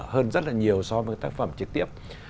hơn rất là nhiều so với tác phẩm trực tiếp